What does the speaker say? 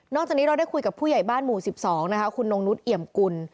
จากนี้เราได้คุยกับผู้ใหญ่บ้านหมู่๑๒นะคะคุณนงนุษย์เอี่ยมกุล